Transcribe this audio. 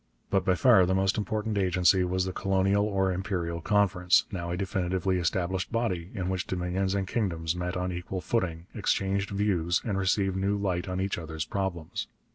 But by far the most important agency was the Colonial or Imperial Conference, now a definitely established body, in which Dominions and Kingdom met on equal footing, exchanged views, and received new light on each other's problems.